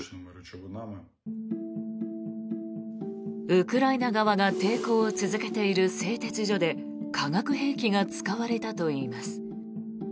ウクライナ側が抵抗を続けている製鉄所で化学兵器が使われたといいます。